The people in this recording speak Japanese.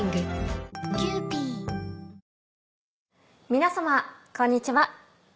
皆様こんにちは。